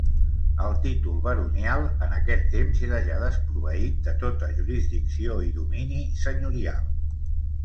El títol baronial en aquest temps era ja desproveït de tota jurisdicció i domini senyorial.